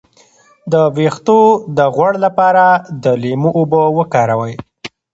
د ویښتو د غوړ لپاره د لیمو اوبه وکاروئ